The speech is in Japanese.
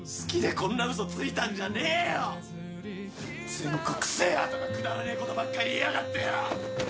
全国制覇とかくだらねえことばっか言いやがってよ！